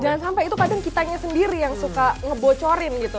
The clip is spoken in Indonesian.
jangan sampai itu kadang kitanya sendiri yang suka ngebocorin gitu